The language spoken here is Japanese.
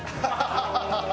ハハハハ！